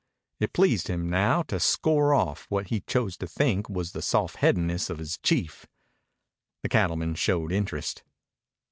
It pleased him now to score off what he chose to think was the soft headedness of his chief. The cattleman showed interest.